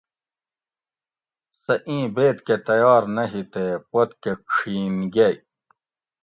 سہۤ اِیں بیت کہۤ تیار نہ ہی تے پت کہۤ چھین گئ